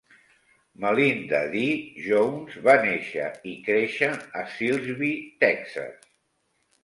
Melinda Dee Jones va néixer i créixer a Silsbee, Texas.